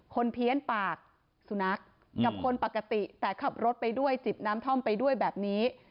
เพี้ยนปากสุนัขกับคนปกติแต่ขับรถไปด้วยจิบน้ำท่อมไปด้วยแบบนี้